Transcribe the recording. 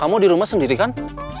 kamu di rumah sendiri kan